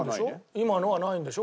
今のはないんでしょ？